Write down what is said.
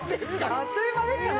あっという間ですね。